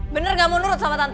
bener gak mau nurut sama tante